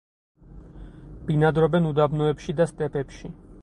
ბინადრობენ უდაბნოებში და სტეპებში.